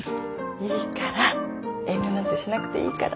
いいから遠慮なんてしなくていいから。